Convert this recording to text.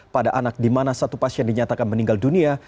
pada anak di mana satu pasien dinyatakan meninggal dunia